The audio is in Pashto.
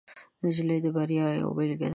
نجلۍ د بریا یوه بیلګه ده.